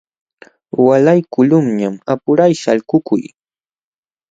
Waalaykuqlunñam apuray shalkukuy.